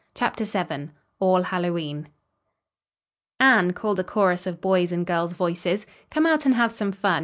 CHAPTER VII ALL HALLOWE'EN "Anne," called a chorus of boys' and girls' voices, "come out and have some fun.